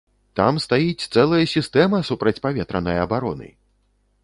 Там стаіць цэлая сістэма супрацьпаветранай абароны!